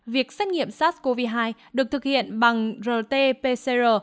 việc xét nghiệm sars cov hai được thực hiện bằng rt pcr